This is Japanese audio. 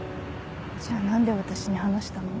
じゃあ何で私に話したの？